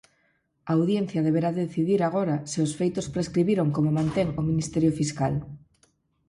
A Audiencia deberá decidir agora se os feitos prescribiron como mantén o Ministerio Fiscal.